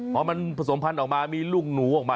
เพราะมันผสมพันออกมามีลูกหนูออกมา